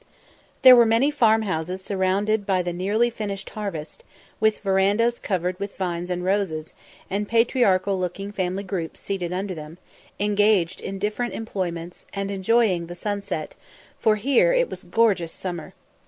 There were many farmhouses surrounded by the nearly finished harvest, with verandahs covered with vines and roses; and patriarchal looking family groups seated under them, engaged in different employments, and enjoying the sunset, for here it was gorgeous summer.